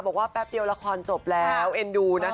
บอกว่าแปปเดียวละครจบแล้วเอ็นดูนะคะ